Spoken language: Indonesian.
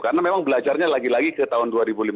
karena memang belajarnya lagi lagi ke tahun dua ribu lima belas